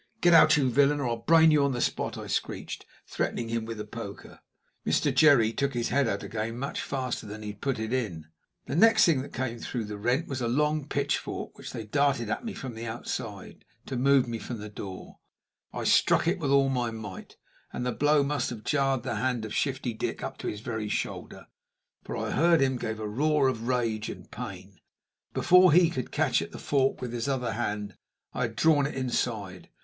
"Get out, you villain, or I'll brain you on the spot!" I screeched, threatening him with the poker. Mr. Jerry took his head out again much faster than he put it in. The next thing that came through the rent was a long pitchfork, which they darted at me from the outside, to move me from the door. I struck at it with all my might, and the blow must have jarred the hand of Shifty Dick up to his very shoulder, for I heard him give a roar of rage and pain. Before he could catch at the fork with his other hand I had drawn it inside.